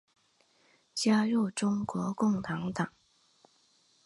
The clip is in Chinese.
加入中国共产党。